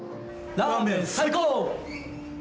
ラーメン最高！